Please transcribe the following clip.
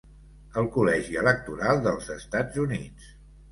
"El Col·legi Electoral dels Estats Units".